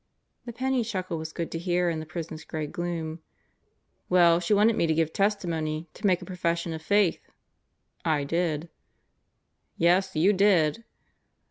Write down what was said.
The Penney chuckle was good to hear in the prison's gray gloom. "Well, she wanted me to give testimony, to make a pro fession of Faith. I did." "Yes, you did!"